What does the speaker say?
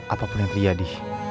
apapun yang terjadi